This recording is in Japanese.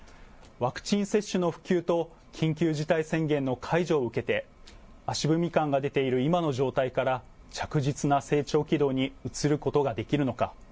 ワクチン接種の普及と緊急事態宣言の解除を受けて足踏み感が出ている今の状態から着実な成長軌道に移ることができるのか。